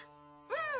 うん。